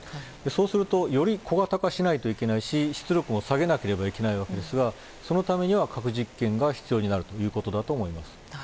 そうするとより小型化しないといけないし出力も下げなければいけないわけですがそのためには核実験が必要になるということだと思います。